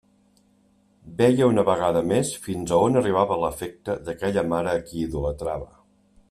Veia una vegada més fins a on arribava l'afecte d'aquella mare a qui idolatrava.